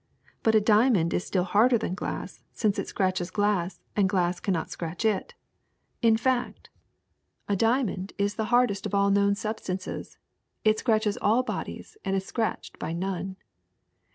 But a diamond is still harder than glass, since it scratches glass and glass cannot scratch it. In fact, a diamond is NEEDLES 15 the hardest of all known substances : it scratches all bodies and is scratched by none.